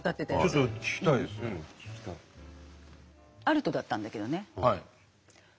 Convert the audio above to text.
アルトだったんだけどね。